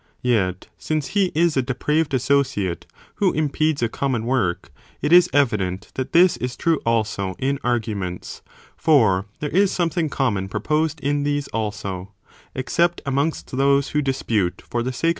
Yet.since he is a depraved associate, who impedes a common work, it is evident that (this is true also) in arguments, for there is something common proposed in these also, except amongst those who dispute, for the sake of con ' Cf.